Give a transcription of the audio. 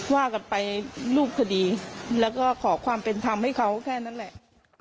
ว่ากันไปรูปคดีแล้วก็ขอความเป็นธรรมให้เขาแค่นั้นแหละ